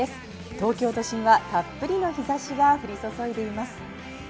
東京都心はたっぷりの日差しが降り注いでいます。